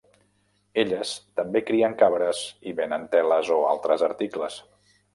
Elles també crien cabres i venen teles o altres articles.